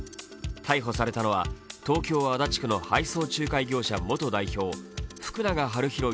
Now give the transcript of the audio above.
逮捕されたのは東京・足立区の配送仲介業者元男女福永悠宏